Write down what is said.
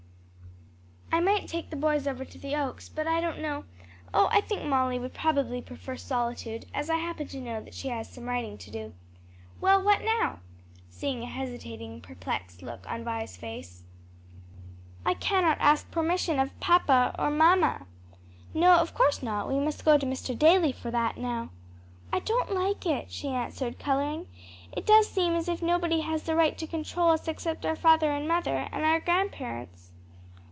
"I might take the boys over to the Oaks, but I don't know oh, I think Molly would probably prefer solitude, as I happen to know that she has some writing to do. Well, what now?" seeing a hesitating, perplexed look on Vi's face. "I cannot ask permission of papa or mamma." "No, of course not; we must go to Mr. Daly for that now." "I don't like it," she answered coloring; "it does seem as if nobody has the right to control us except our father and mother, and our grandparents."